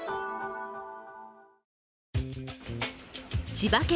千葉県